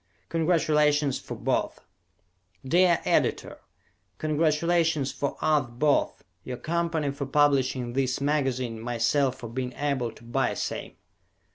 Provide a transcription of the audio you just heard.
"Congratulations for Both" Dear Editor: Congratulations for us both. Your company for publishing this magazine, myself for being able to buy same.